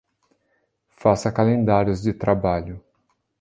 Faça calendários de trabalho.